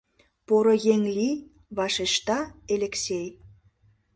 — Поро еҥ лий, — вашешта Элексей.